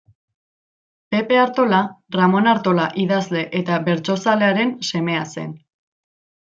Pepe Artola, Ramon Artola idazle eta bertsozalearen semea zen.